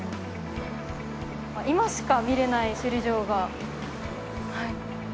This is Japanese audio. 今しか見られない首里城がはい。